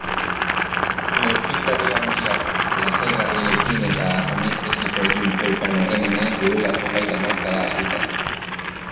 Musikari handiak lasaigarriekin eta anestesikoekin zeukan harremana duela zenbait hamarkada hasi zen.